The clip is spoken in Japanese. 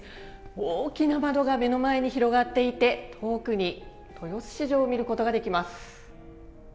大きな窓が目の前に広がっていて遠くに豊洲市場を見ることができます。